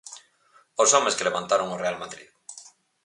Os homes que levantaron o Real Madrid.